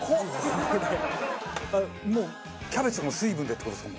もうキャベツの水分でって事ですか？